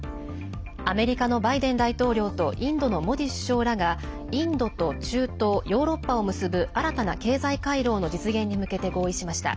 アメリカのバイデン大統領とインドのモディ首相らがインドと中東、ヨーロッパを結ぶ新たな経済回廊の実現に向けて合意しました。